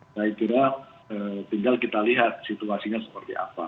saya kira tinggal kita lihat situasinya seperti apa